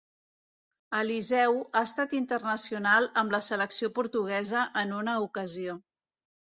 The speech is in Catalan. Eliseu ha estat internacional amb la selecció portuguesa en una ocasió.